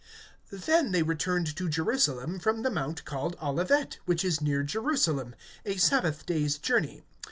(12)Then they returned to Jerusalem from the mount called Olivet, which is near Jerusalem, a sabbath day's journey.